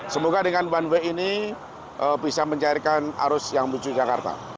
semoga dengan one way ini bisa mencairkan arus yang menuju jakarta